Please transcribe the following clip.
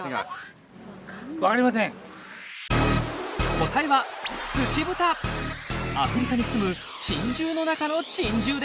答えはアフリカにすむ珍獣の中の珍獣です。